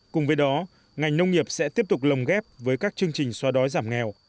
cùng với đó ngành nông nghiệp sẽ tiếp tục lồng ghép với các chương trình xóa đói giảm nghèo